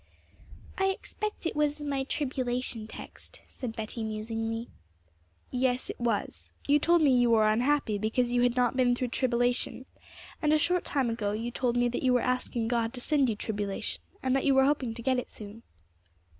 'I expect it was my tribulation text,' said Betty musingly. 'Yes, it was. You told me you were unhappy because you had not been through tribulation, and a short time ago you told me that you were asking God to send you tribulation, and that you were hoping to get it soon.'